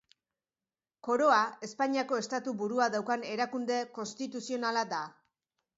Koroa Espainiako estatu burua daukan erakunde konstituzionala da.